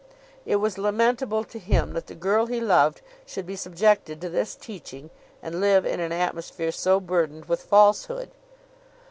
It was lamentable to him that the girl he loved should be subjected to this teaching, and live in an atmosphere so burdened with falsehood.